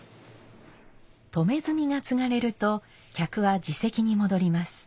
止炭がつがれると客は自席に戻ります。